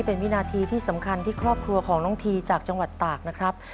เป็นวินาทีที่สำคัญที่ครอบครัวของน้องทีจากจังหวัดตากนะครับ